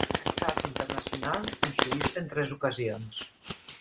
Ha estat internacional amb Suïssa en tres ocasions.